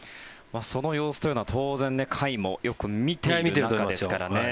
その様子というのは当然、甲斐もよく見ている中ですからね。